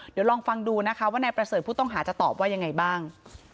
เดี๋ยวลองฟังดูนะคะว่านายประเสริฐผู้ต้องหาจะตอบว่ายังไงบ้าง